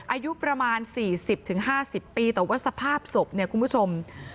อายุประมาณ๔๐๕๐ปีแต่ว่าสภาพศพเนี่ยคุณผู้ชม